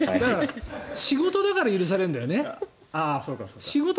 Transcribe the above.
仕事だから許されるんだよね。